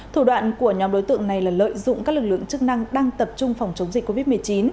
thủ đoạn của nhóm đối tượng này là lợi dụng các lực lượng chức năng đang tập trung phòng chống dịch covid một mươi chín